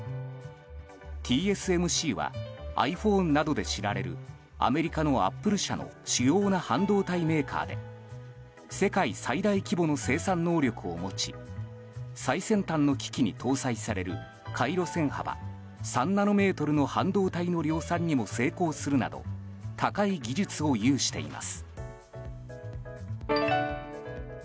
ＴＳＭＣはｉＰｈｏｎｅなどで知られるアメリカのアップル社の主要な半導体メーカーで世界最大規模の生産能力を持ち最先端の機器に搭載される回路線幅３ナノメートルの半導体の量産にも成功するなど高い技術を有しています。